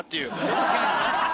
確かに。